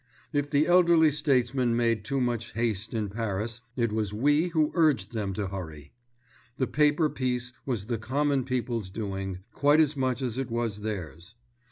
If the elderly statesmen made too much haste in Paris, it was we who urged them to hurry. The paper peace was the common people's doing quite as much as it was theirs.